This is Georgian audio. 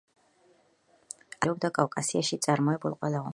აქედან მოყოლებული მონაწილეობდა კავკასიაში წარმოებულ ყველა ომში.